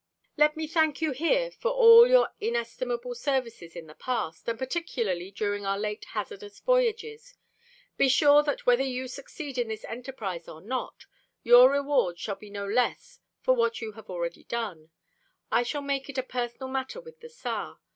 "Let me thank you here for all your inestimable services in the past, and particularly during our late hazardous voyages. Be sure that whether you succeed in this enterprise or not, your rewards shall be no less for what you have already done. I shall make it a personal matter with the Tsar.